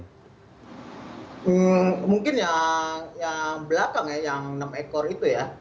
hmm mungkin yang belakang ya yang enam ekor itu ya